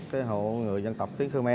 cái hộ người dân tộc tiếng khmer